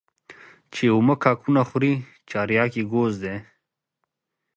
چي اومه کاکونه خوري چارياک يې گوز دى.